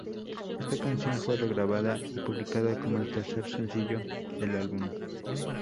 Esta canción fue regrabada y publicada como el tercer sencillo del álbum.